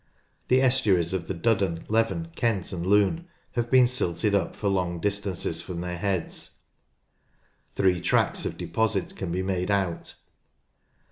The estuaries of the Duddon, Leven, Kent, and Lune have been silted up for long distances from their heads. Three tracts of deposit can be made out.